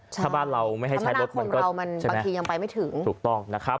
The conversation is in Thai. ถ้าบ้านเราไม่ให้ใช้รถคำนาคมเรามันบางทียังไปไม่ถึง